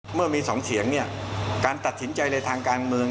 เมื่อมี๒เสียงเนี่ยการตัดสินใจในทางการเมือง